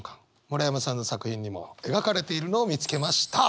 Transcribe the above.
村山さんの作品にも描かれているのを見つけました。